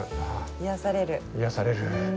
癒やされる。